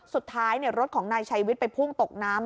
สุดท้ายรถของนายชัยวิทย์ไปพุ่งตกน้ำ